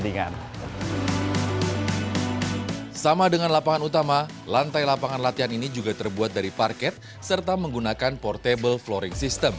dan juga penonton bisa menyaksikan sebagian dari delapan vip box yang diperlukan